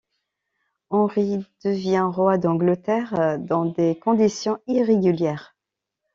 Henri devient roi d'Angleterre dans des conditions irrégulières.